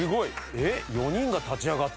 えっ？